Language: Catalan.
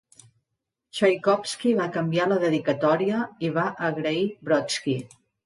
Txaikovski va canviar la dedicatòria i va agrair Brodsky.